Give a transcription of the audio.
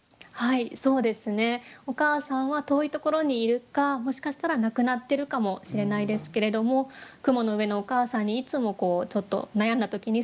お母さんは遠いところにいるかもしかしたら亡くなってるかもしれないですけれども雲の上のお母さんにいつもちょっと悩んだ時に相談している。